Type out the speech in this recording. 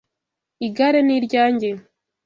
Igare ni ryanjye.